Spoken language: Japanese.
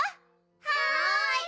はい！